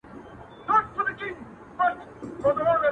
د ښكلي سولي يوه غوښتنه وكړو؛